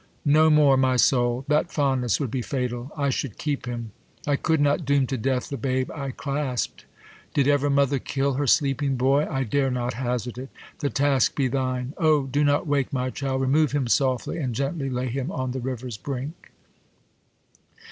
No more, my soul ! That fondness would be fatal. I should keep him* I could not doom to death the babe I clasp'd : Did ever mother kill her sleeping boy ? I dare not hazard it. The task be thine. ! do not wake my chiM ; remove him softly ; And gently lay him on the river's brink.